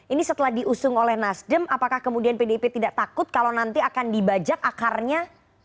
ini setelah diusung oleh nasdem apakah kemudian pdip tidak takut kalau nanti akan dibajak akarnya